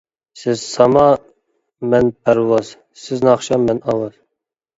سىز ساما مەن پەرۋاز، سىز ناخشا مەن ئاۋاز.